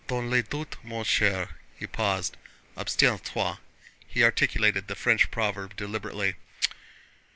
Dans le doute, mon cher," he paused, "abstiens toi" *(2)—he articulated the French proverb deliberately.